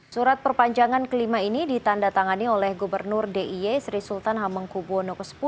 surat perpanjangan kelima ini ditanda tangani oleh gubernur d i e sri sultan hamengkubwono x